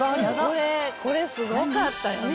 これすごかったよね。